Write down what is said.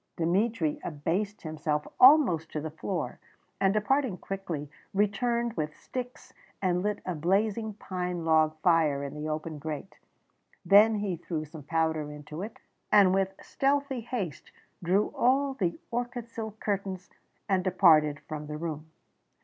Dmitry abased himself almost to the floor, and departing quickly, returned with sticks and lit a blazing pine log fire in the open grate. Then he threw some powder into it, and with stealthy haste drew all the orchid silk curtains, and departed from the room.